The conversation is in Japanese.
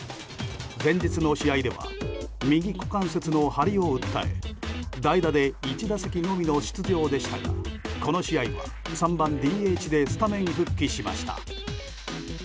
先日の試合では右股関節の張りを訴え代打で１打席のみの出場でしたがこの試合は３番ＤＨでスタメン復帰しました。